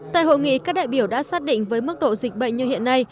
tại hội nghị các đại biểu đã xác định với mức độ dịch bệnh như hiện nay